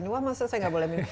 wah masa saya tidak boleh minum